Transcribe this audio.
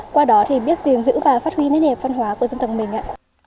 qua đó thì biết giữ và phát huy nét đẹp văn hóa của dân tộc mình